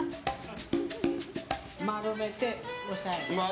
丸めて、押さえる。